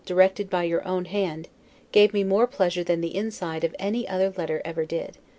directed by your own hand, gave me more pleasure than the inside of any other letter ever did.